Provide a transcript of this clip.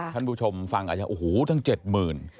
ท่านผู้ชมฟังอาจจะโอ้โหตั้ง๗๐๐บาท